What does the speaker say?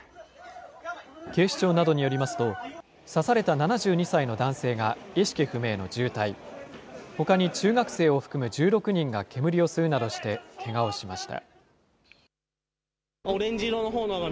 警視庁などによりますと、刺された７２歳の男性が意識不明の重体、ほかに中学生を含む１６人が煙を吸うなどして、けがをしました。